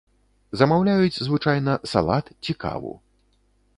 Замаўляюць, звычайна, салат ці каву.